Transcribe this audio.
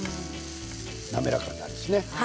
滑らかになるんですね。